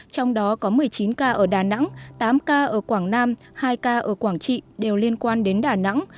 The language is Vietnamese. trong đó có một mươi chín ca ở đà nẵng tám ca ở quảng nam hai ca ở quảng trị đều liên quan đến đà nẵng